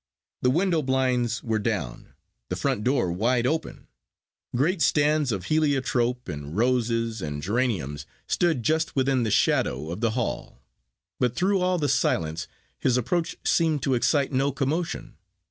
The window blinds were down; the front door wide open, great stands of heliotrope and roses and geraniums stood just within the shadow of the hall; but through all the silence his approach seemed to excite no commotion.